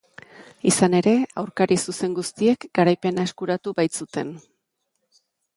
Izan ere, aurkari zuzen guztiek garaipena eskuratu baitzuten.